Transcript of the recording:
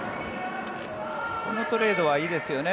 このトレードはいいですよね。